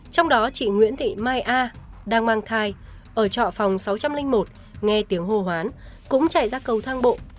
trong đó chị nguyễn thị mai a đang mang thai ở trọ phòng sáu trăm linh một nghe tiếng hô hoán cũng chạy ra cầu thang bộ